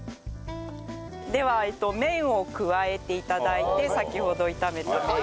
では麺を加えて頂いて先ほど炒めた麺を。